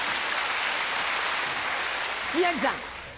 宮治さん。